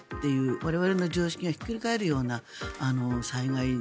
我々の常識がひっくり返るような災害。